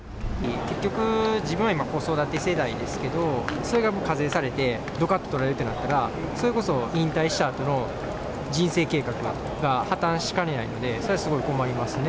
結局、自分は今、子育て世代ですけど、それが課税されて、どかっと取られるってなったら、それこそ引退したあとの人生計画が破綻しかねないので、それはすごい困りますね。